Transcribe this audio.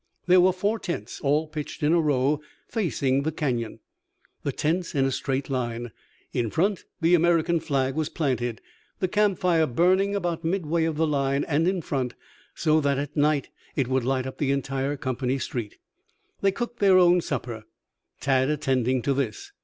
There were four tents all pitched in a row facing the Canyon, the tents in a straight line. In front the American flag was planted, the camp fire burning about midway of the line and in front, so that at night it would light up the entire company street. They cooked their own supper, Tad attending to this.